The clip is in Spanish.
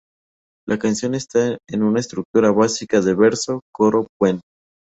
La canción está en una estructura básica de verso-coro-puente.